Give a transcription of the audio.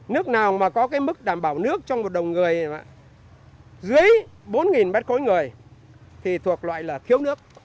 nước nào mà có cái mức đảm bảo nước trong một đồng người dưới bốn m ba người thì thuộc loại là thiếu nước